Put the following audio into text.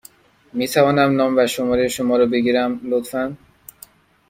می توانم نام و شماره شما را بگیرم، لطفا؟